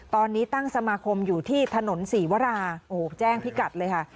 ตอนนี้ตั้งสมาคมอยู่ที่ถนนศรีวราโอ้โหแจ้งพิกัดเลยค่ะ